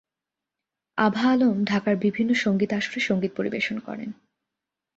আভা আলম ঢাকার বিভিন্ন সঙ্গীত-আসরে সঙ্গীত পরিবেশন করেন।